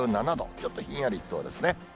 ちょっとひんやりしそうですね。